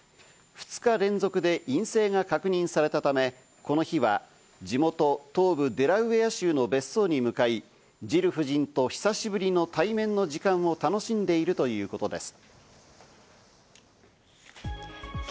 ２日連続で陰性が確認されたため、この日は地元・東部デラウェア州の別荘に向かい、ジル夫人と久しぶりの対面の時間を楽しんでいるということです。